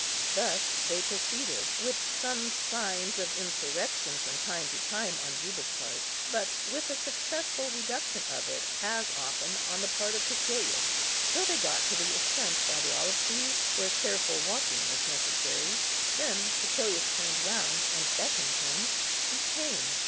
Thus they proceeded, with some signs of insurrection from time to time on Juba's part, but with a successful reduction of it as often on the part of Cæcilius, till they got to the ascent by the olive trees, where careful walking was necessary. Then Cæcilius turned round, and beckoned him. He came.